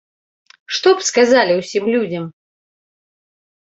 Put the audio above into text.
Што б сказалі ўсім людзям?